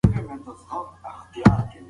بې باوري د تعصب محصول دی